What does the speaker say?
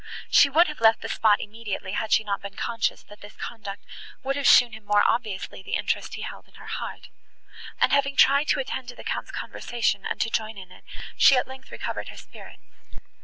She would have left the spot immediately, had she not been conscious, that this conduct would have shown him more obviously the interest he held in her heart; and, having tried to attend to the Count's conversation, and to join in it, she, at length, recovered her spirits.